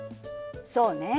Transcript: そうね。